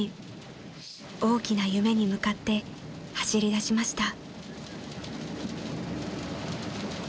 ［大きな夢に向かって走りだしました］